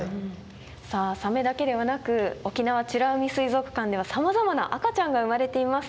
さあサメだけではなく沖縄美ら海水族館ではさまざまな赤ちゃんが生まれています。